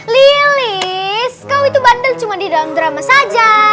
lilis kau itu bandel cuma di dalam drama saja